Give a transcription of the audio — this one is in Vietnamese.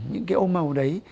những cái ô màu đấy